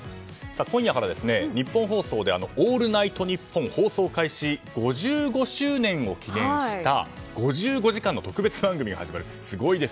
今夜から、ニッポン放送で「オールナイトニッポン」の放送開始５５周年を記念した５５時間の特別番組が始まります。